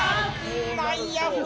内野フライ」